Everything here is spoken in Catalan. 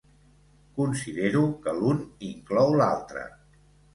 Considero que l'un inclou l'altre.